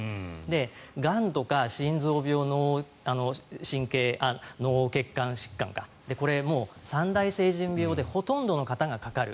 がんとか心臓病の脳血管疾患かこれはもう三大成人病でほとんどの方がかかる。